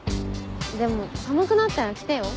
でも寒くなったら着てよ。